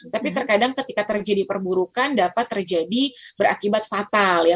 tapi terkadang ketika terjadi perburukan dapat terjadi berakibat fatal ya